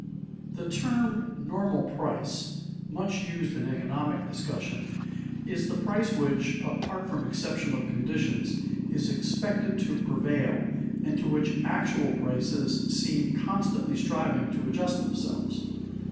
_ The term "normal price," much used in economic discussion, is the price which, apart from exceptional conditions, is expected to prevail, and to which actual prices seem constantly striving to adjust themselves.